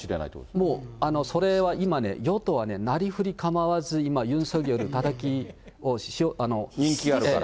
もうそれは今ね、与党はなりふり構わず、今、ユン・ソギョルをたたきをしようと、人気があるから。